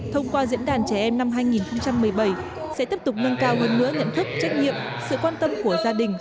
thông qua diễn đàn trẻ em năm hai nghìn một mươi bảy sẽ tiếp tục nâng cao hơn nữa nhận thức trách nhiệm sự quan tâm của gia đình